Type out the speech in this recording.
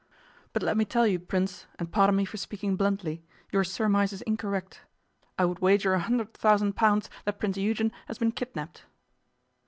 But let me tell you, Prince, and pardon me for speaking bluntly, your surmise is incorrect. I would wager a hundred thousand dollars that Prince Eugen has been kidnapped.